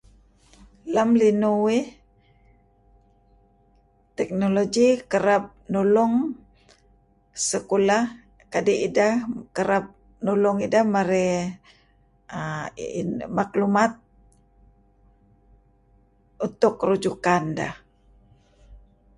Lem linuh uih teknologi kereb nulung sekoah kadi' ideh kereb nulung ideh marey uhm matlumat untuk rujukan deh.